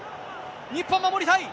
日本、守りたい。